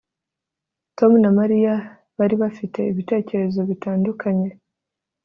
Tom na Mariya bari bafite ibitekerezo bitandukanye